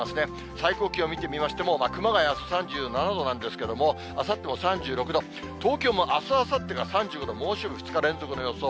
最高気温見てみましても、熊谷あす３７度なんですけども、あさっても３６度、東京もあす、あさってが３５度、猛暑日２日連続の予想。